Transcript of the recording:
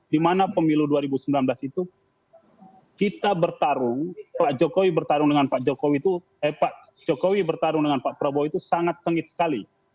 dimana pemilu dua ribu sembilan belas itu kita bertarung pak jokowi bertarung dengan pak prabowo itu sangat sengit sekali